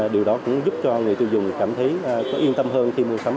điều đó cũng giúp cho người tiêu dùng cảm thấy yên tâm hơn khi mua sắm